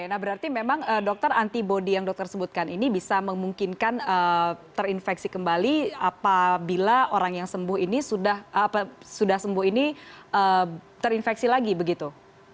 nah berarti memang dokter antibody yang dokter sebutkan ini bisa memungkinkan terinfeksi kembali apabila orang yang sembuh ini sudah sembuh ini terinfeksi lagi begitu